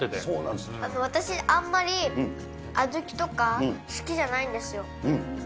私あんまり、あずきとか好きじゃないんですよ。